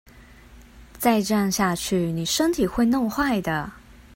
再這樣下去妳身體會弄壞的